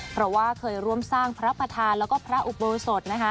เพราะว่าเคยร่วมสร้างพระประธานและพระอุปสรต